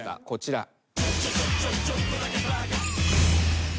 こちら。